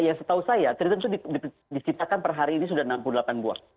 ya setahu saya triton itu diciptakan per hari ini sudah enam puluh delapan buah